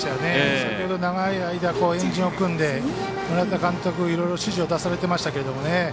先ほど長い間、円陣を組んで村田監督はいろいろ指示を出されてましたけどね。